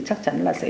chắc chắn sẽ bị xử lý